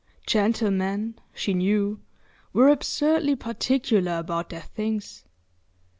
Gentlemen, she knew, were absurdly particular about their things.